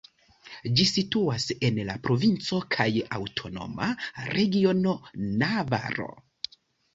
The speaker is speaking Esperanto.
Ĝi situas en la provinco kaj aŭtonoma regiono Navaro.